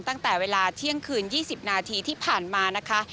ตั้งแต่เวลาเที่ยงคืน๒๐นาทีที่ผ่านมานะคะ